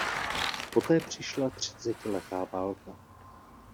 Poté přišla třicetiletá válka.